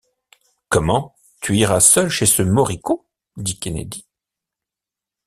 Comment! tu iras seul chez ce moricaud? dit Kennedy.